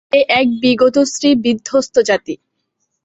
এ এক বিগতশ্রী বিধ্বস্ত জাতি।